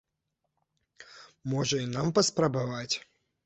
Можа і нам паспрабаваць?